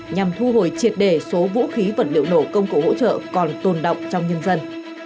nhằm thu hồi triệt đề số vũ khí vật liệu nổ công cụ hỗ trợ còn tồn động trong nhân dân